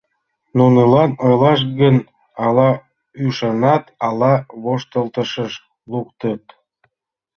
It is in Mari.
Нунылан ойлаш гын, ала ӱшанат, ала воштылтышыш луктыт.